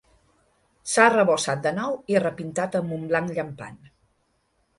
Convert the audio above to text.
S'ha arrebossat de nou i repintat amb un blanc llampant.